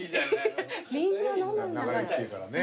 みんな飲むんだから。